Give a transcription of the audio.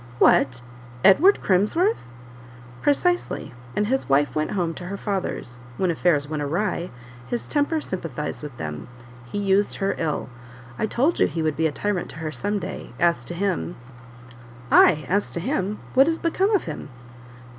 "What! Edward Crimsworth?" "Precisely; and his wife went home to her father's; when affairs went awry, his temper sympathized with them; he used her ill; I told you he would be a tyrant to her some day; as to him " "Ay, as to him what is become of him?"